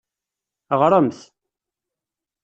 Ɣremt!